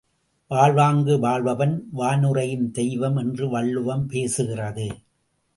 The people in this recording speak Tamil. வாழ்வாங்கு வாழ்பவன் வானுறையும் தெய்வம் என்று வள்ளுவம் பேசுகிறது.